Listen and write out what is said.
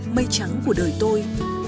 mây trắng của đời tôi